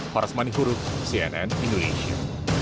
faras manikuruk cnn indonesia